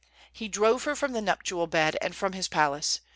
He drove her from the nuptial bed, and from his palace.